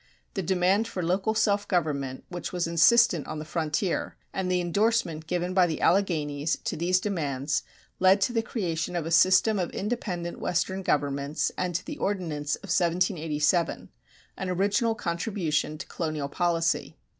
The demand for local self government, which was insistent on the frontier, and the endorsement given by the Alleghanies to these demands led to the creation of a system of independent Western governments and to the Ordinance of 1787, an original contribution to colonial policy.